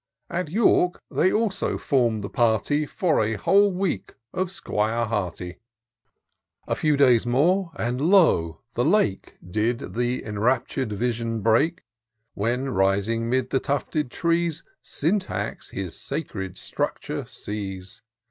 At York they also form'd the party. For a whole week, of 'Squire Hearty. A few days more, and, lo ! the Lake Did, on th' enraptur'd vision break ; 360 TOUR OF DOCTOR SYNTAX When^ rising 'mid the tufted trees. Syntax his sacred structure sees.